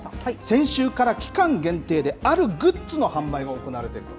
先週から期間限定で、あるグッズの販売が行われていると。